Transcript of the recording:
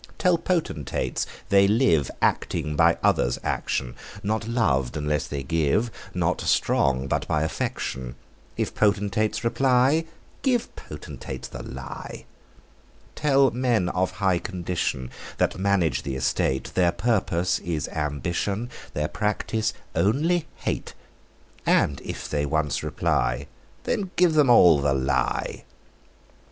Tell potentates, they live Acting, by others' action; Not lov'd unless they give; Not strong, but by affection. If potentates reply, Give potentates the lie. Tell men of high condition, That manage the estate, Their purpose is ambition; Their practice only hate. And if they once reply, Then give them all the lie.